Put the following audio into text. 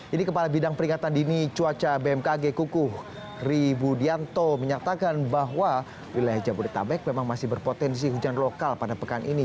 ini kepala bidang peringatan dini cuaca bmkg kukuh ri budianto menyatakan bahwa wilayah jabodetabek memang masih berpotensi hujan lokal pada pekan ini